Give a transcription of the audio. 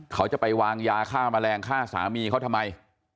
เขาจะไปวางยาฆ่าแมลงฆ่าสามีเขาทำไม